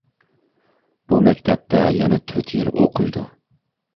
بۇ مەكتەپتە يەنە تۆت يىل ئوقۇيدۇ.